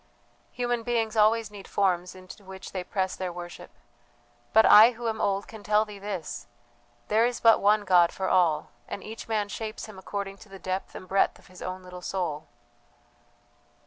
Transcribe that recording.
Human beings always need forms into which they press their worship, but I, who am old, can tell thee this: there is but one God for all, and each man shapes Him according to the depth and breadth of his own little soul.